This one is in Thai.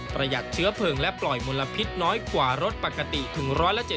ประหยัดเชื้อเพลิงและปล่อยมลพิษน้อยกว่ารถปกติถึง๑๗๐